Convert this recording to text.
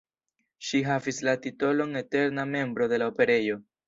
Ŝi havis la titolon eterna membro de la Operejo.